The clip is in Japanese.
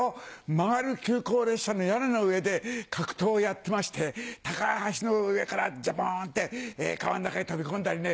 曲がる急行列車の屋根の上で格闘をやってまして高い橋の上からジャポンって川の中へ飛び込んだりね